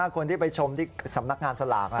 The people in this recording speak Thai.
คนที่ไปชมที่สำนักงานสลาก